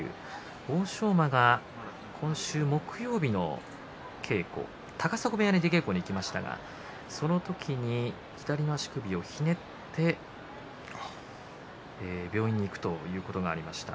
欧勝馬が今週木曜日の稽古高砂部屋に出稽古に行きましたがその時に左の足首をひねって病院に行くということがありました。